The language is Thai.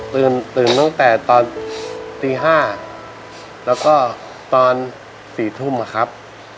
ตื่นตื่นตั้งแต่ตอนตี๕แล้วก็ตอน๔ทุ่มนะครับ